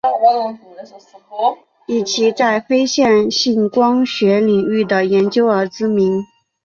以其在非线性光学领域的研究而知名。